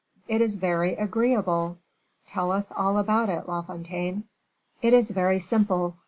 "It is very agreeable; tell us all about it, La Fontaine." "It is very simple.